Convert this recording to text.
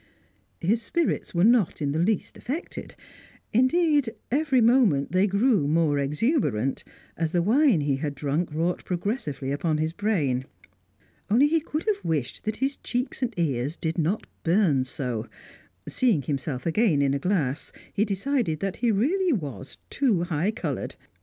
His spirits were not in the least affected; indeed, every moment they grew more exuberant, as the wine he had drunk wrought progressively upon his brain. Only he could have wished that his cheeks and ears did not burn so; seeing himself again in a glass, he decided that he was really too high coloured.